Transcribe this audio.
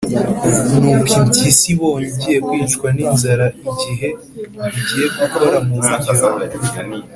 nuko impyisi ibonye igiye kwicwa n’inzara, igihe igiye gukora ku biryo,